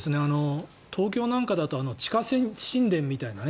東京なんかだと地下神殿みたいなね。